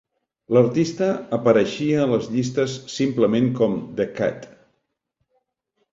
L"artista apareixia a les llistes simplement com "The Cat".